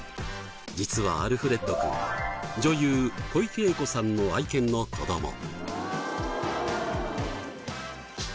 実はアルフレッドくん女優小池栄子さんの愛犬の子ども。